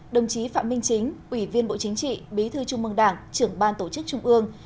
đồng chí phạm minh chính ủy viên bộ chính trị bí thư trung mương đảng trưởng ban tổ chức trung ương